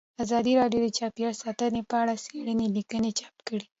ازادي راډیو د چاپیریال ساتنه په اړه څېړنیزې لیکنې چاپ کړي.